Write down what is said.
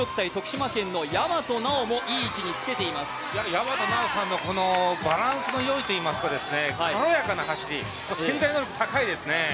大和奈央さんのバランスのよいといいますか、軽やかな走り、潜在能力高いですね。